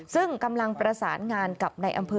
ซึ่งกำลังประสานงานกับในอำเภอ